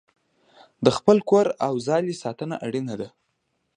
د خپل کور او ځالې ساتنه اړینه ده.